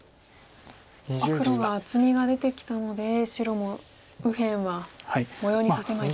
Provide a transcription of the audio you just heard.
黒が厚みが出てきたので白も右辺は模様にさせまいと。